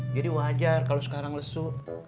jadi wajar kalau sekarang lesu